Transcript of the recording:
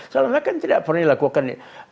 seolah olah kan tidak pernah dilakukan